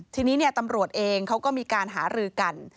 ทีนี้ตำรวจเองเขาก็มีการหารือกัน